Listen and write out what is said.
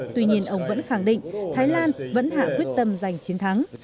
tuy nhiên ông vẫn khẳng định thái lan vẫn hạ quyết tâm giành chiến thắng